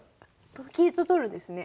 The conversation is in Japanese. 同金と取るんですね。